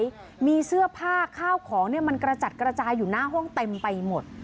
มีเสื้อผ้าข้าวของเนี่ยมันกระจัดกระจายอยู่หน้าห้องเต็มไปหมด